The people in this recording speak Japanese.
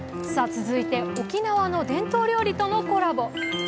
続いて沖縄の伝統料理とのコラボ。